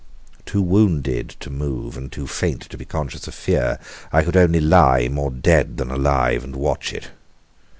Too wounded to move, and too faint to be conscious of fear, I could only lie, more dead than alive, and watch it.